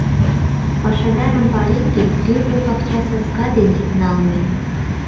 — Пашадарым пареҥге, тӱрлӧ пакча саска дене налме.